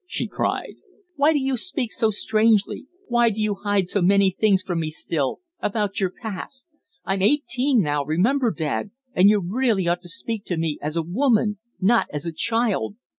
she cried. "Why do you speak so strangely? Why do you hide so many things from me still about our past? I'm eighteen now, remember, dad, and you really ought to speak to me as a woman not as a child.